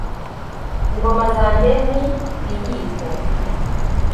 ingoma zanjye ni biyiko